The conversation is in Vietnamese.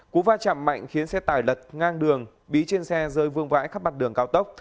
cú va chạm mạnh khiến xe tải lật ngang đường bí trên xe rơi vương vãi khắp mặt đường cao tốc